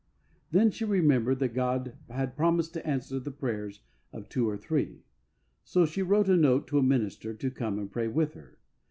Then she remembered that God had promised to answer the prayers of two or three ; so she wrote a note to a minister to come and pray with her.